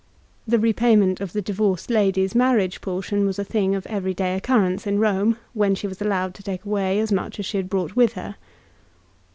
The repayment of the divorced lady's marriage portion was a thing of every day occurrence in Eome, when she was allowed to take away as much as she had brought with her.